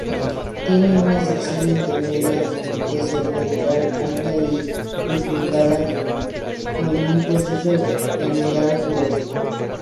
Tiene una sección intermedia dorsoventral amplia y bifurcada, con un proceso ventral grueso.